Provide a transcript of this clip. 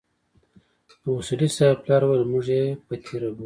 د اصولي صیب پلار وويل موږ يې پتيره بولو.